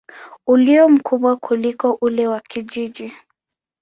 ulio mkubwa kuliko ule wa kijiji.